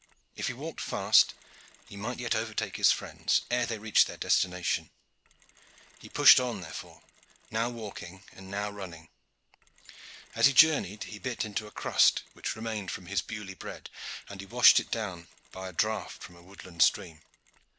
If he walked fast he might yet overtake his friends ere they reached their destination. He pushed on therefore, now walking and now running. As he journeyed he bit into a crust which remained from his Beaulieu bread, and he washed it down by a draught from a woodland stream.